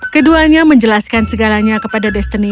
keduanya menjelaskan segalanya kepada destiny